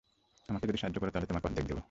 আমাকে যদি সাহায্য করো, তাহলে তোমাকে অর্ধেক দেব।